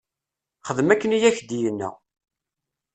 Xdem akken i ak-d-yenna.